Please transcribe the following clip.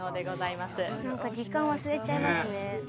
時間忘れちゃいますね。